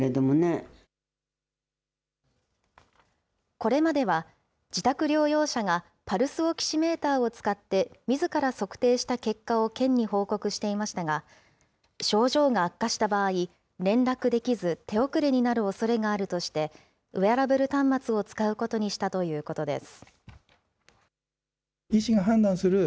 これまでは、自宅療養者がパルスオキシメーターを使ってみずから測定した結果を県に報告していましたが、症状が悪化した場合、連絡できず、手遅れになるおそれがあるとして、ウェアラブル端末を使うことにしたということです。